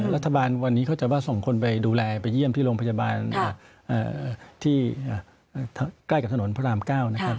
รัฐบาลวันนี้เขาจะว่าส่งคนไปดูแลไปเยี่ยมที่โรงพยาบาลที่ใกล้กับถนนพระราม๙นะครับ